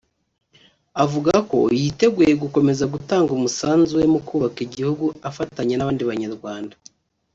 avuga ko yiteguye gukomeza gutanga umusanzu we mu kubaka igihugu afatanya n’abandi Banyarwanda